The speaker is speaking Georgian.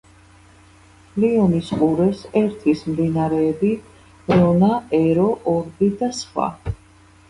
ლიონის ყურეს ერთვის მდინარეები: რონა, ერო, ორბი და სხვა.